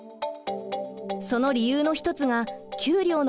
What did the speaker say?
その理由の一つが給料の問題です。